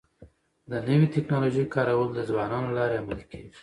د نوي ټکنالوژۍ کارول د ځوانانو له لارې عملي کيږي.